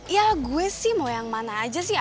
ya gue sih mau yang mana aja sih